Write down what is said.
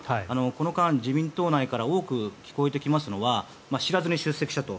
この間、自民党内から多く聞こえてきますのは知らずに出席したと。